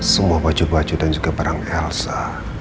semua baju baju dan juga barang elsa